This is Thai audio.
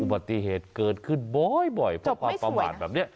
อุบัติเหตุเกิดขึ้นบ่อยเพราะประมาณแบบนี้